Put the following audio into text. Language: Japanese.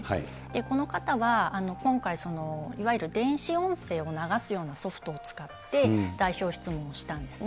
この方は今回、いわゆる電子音声を流すようなソフトを使って代表質問をしたんですね。